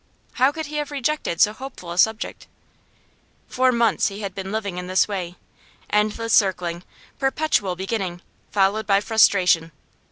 How could he have rejected so hopeful a subject? For months he had been living in this way; endless circling, perpetual beginning, followed by frustration.